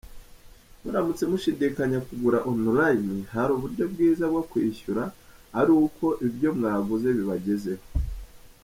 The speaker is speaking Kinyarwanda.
Muramutse mushidikanya kugura online, hari uburyo bwiza bwo kwishyura aruko ibyo mwaguze bibagezeho.